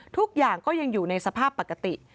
ทุกอย่างก็ยังอยู่ในสภาพปกติ